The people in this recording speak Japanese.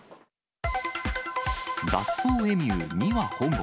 脱走エミュー２羽保護。